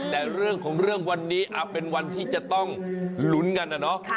แต่เรื่องของเรื่องวันนี้เป็นวันที่จะต้องลุ้นกันนะเนาะ